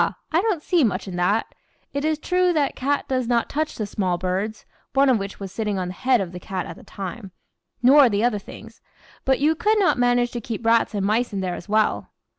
I don't see much in that. It is true the cat does not touch the small birds [one of which was sitting on the head of the cat at the time], nor the other things; but you could not manage to keep rats and mice in there as well."